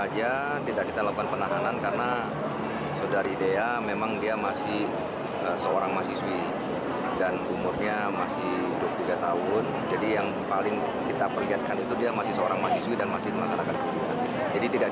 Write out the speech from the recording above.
jangan lupa like share dan subscribe ya